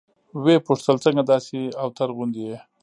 ويې پوښتل څنگه داسې اوتر غوندې يې.